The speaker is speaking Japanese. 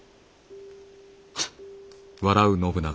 フッ。